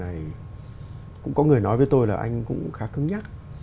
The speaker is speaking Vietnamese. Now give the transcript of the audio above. cái việc này cũng có người nói với tôi là anh cũng khá cứng nhắc